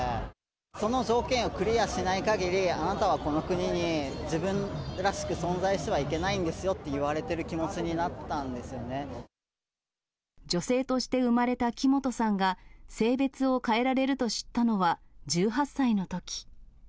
その条件をクリアしないかぎり、あなたはこの国に自分らしく存在してはいけないんですよって言わ女性として生まれた木本さんが、性別を変えられると知ったのは１８歳のとき。